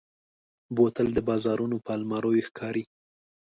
بوتل د بازارونو پر الماریو ښکاري.